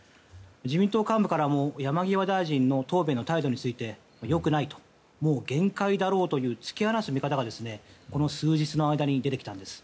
自民党幹部からも山際大臣の答弁の態度についてよくないと、もう限界だろうと突き放す見方がこの数日の間に出てきたんです。